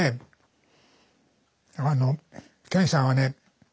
あの健さんはね